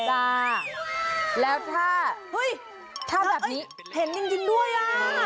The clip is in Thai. จ้าแล้วถ้าเฮ้ยถ้าแบบนี้เห็นจริงด้วยอ่ะ